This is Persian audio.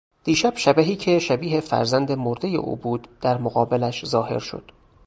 دیشب شبحی که شبیه فرزند مردهی او بود در مقابلش ظاهر شد.